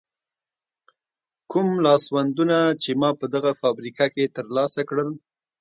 کوم لاسوندونه چې ما په دغه فابریکه کې تر لاسه کړل.